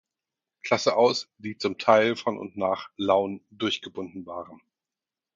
Klasse aus, die zum Teil von und nach Laun durchgebunden waren.